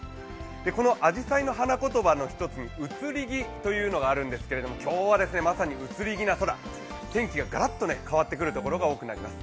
このあじさいの花言葉の１つに移り気というのがあるんですけど、今日はまさに移り気な空、天気がガラッと変わってくるところが多くなります。